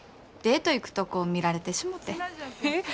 デート行くとこ見られてしもて。